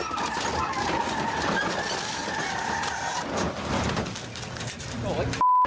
ชิบชิบชิบ